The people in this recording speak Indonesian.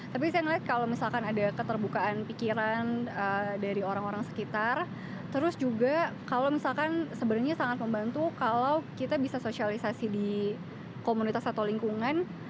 tapi saya ngelihat kalau misalkan ada keterbukaan pikiran dari orang orang sekitar terus juga kalau misalkan sebenarnya sangat membantu kalau kita bisa sosialisasi di komunitas atau lingkungan